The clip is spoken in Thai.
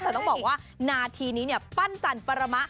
แต่ต้องบอกว่านาทีนี้เนี่ยปั้นจันปรมะ